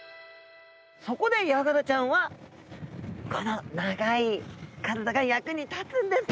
そこでヤガラちゃんはこの長い体が役に立つんですね。